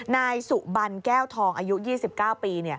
นายสุบันแก้วทองอายุ๒๙ปี